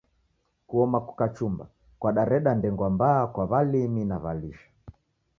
Kuoma kukachumba kwadareda ndengwa mbaa kwa walimi na walisha.